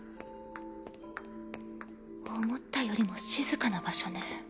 思ったよりも静かな場所ね。